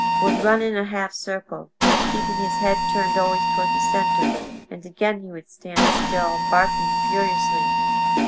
would run in a half circle, keeping his head turned always toward the centre and again he would stand still, barking furiously.